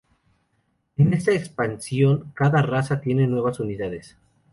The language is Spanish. En esta expansión cada raza tiene nuevas unidades.